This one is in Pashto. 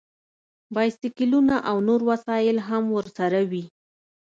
بایسکلونه او نور وسایل هم ورسره وي